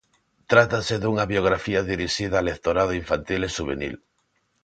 Trátase dunha biografía dirixida a lectorado infantil e xuvenil.